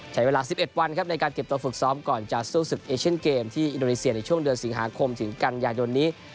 ใช้เวลา๑๑วันครับในการเก็บตัวฝึกซ้อมก่อนจะสู้ศึกเอเชียนเกมที่อินโดนีเซียในช่วงเดือนสิงหาคมถึงกันยายนนี้